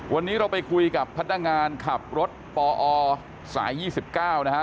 วันนี้เราไปคุยกับพัฒนางานขับรถปอสายยี่สิบเก้านะฮะ